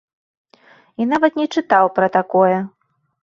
І нават не чытаў пра такое.